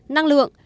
ba năng lượng